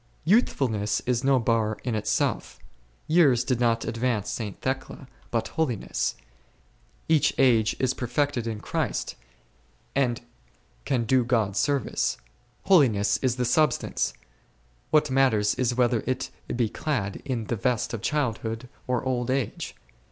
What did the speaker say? Youthfulness is no bar in itself; years did not ad vance St. Thecla, but holiness. Each age is perfected C o 16 ©n ?&oIg Ftrgtmtg. in Christ, and can do God sendee ; holiness is the substance., what matters it whether it be clad in the vest of childhood or old age